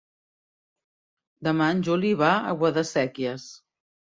Demà en Juli va a Guadasséquies.